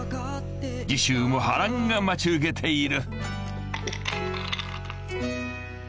［次週も波乱が待ち受けている］